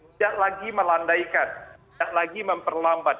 tidak lagi melandaikan tidak lagi memperlambat